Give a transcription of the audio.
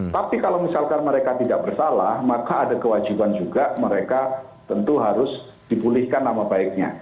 tapi kalau misalkan mereka tidak bersalah maka ada kewajiban juga mereka tentu harus dipulihkan nama baiknya